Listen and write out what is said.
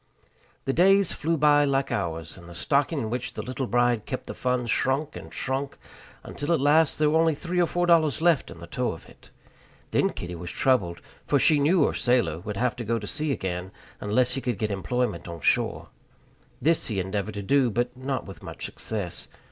The days flew by like hours, and the stocking in which the little bride kept the funds shrunk and shrunk, until at last there were only three or four dollars left in the toe of it. Then Kitty was troubled; for she knew her sailor would have to go to sea again unless he could get employment on shore. This he endeavored to do, but not with much success.